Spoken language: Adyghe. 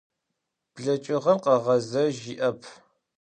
Bleç'ığem kheğezej yi'ep.